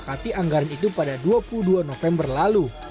menpati anggaran itu pada dua puluh dua november lalu